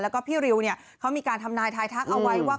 แล้วก็พี่ริวเขามีการทำนายทายทักเอาไว้ว่า